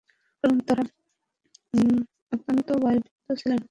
কারণ তারা অত্যন্ত বয়োবৃদ্ধ ছিলেন।